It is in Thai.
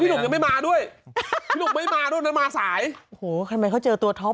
หนุ่มยังไม่มาด้วยพี่หนุ่มไม่มาด้วยนะมาสายโอ้โหทำไมเขาเจอตัวท็อป